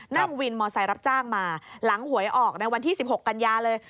นั่งวินมอเซล์รับจ้างมาหลังหวยออกในวันที่๑๖กันยาเลย